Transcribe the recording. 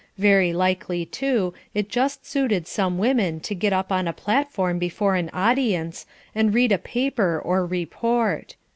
Very likely, too, it just suited some women to get up on a platform before an audience, and read a "paper" or "report."